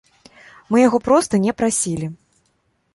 Мы яго проста не прасілі.